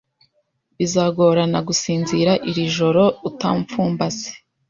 Bizagorana gusinzira iri joro utamfumbase